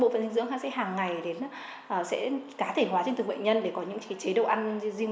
bộ phận dinh dưỡng sẽ hàng ngày sẽ cá thể hóa trên từng bệnh nhân để có những chế độ ăn riêng